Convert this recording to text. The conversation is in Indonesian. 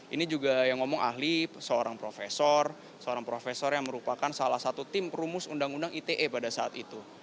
ini juga yang ngomong ahli seorang profesor seorang profesor yang merupakan salah satu tim perumus undang undang ite pada saat itu